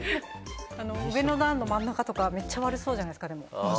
上の段の真ん中とか、むっちゃ悪そうじゃないですか？